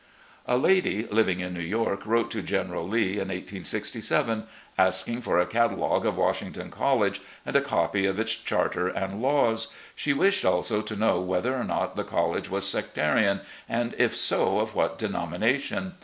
A lady living in New York wrote to General Lee in 1867, asking for a catalogue of Washington College and a copy of its charter and laws. She wished also to know whether or not the college was sectarian, and, if so, of what denomination.